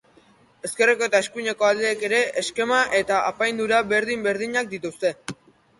Ezkerreko eta eskuineko aldeek ere eskema eta apaindura berdin-berdinak dituzte.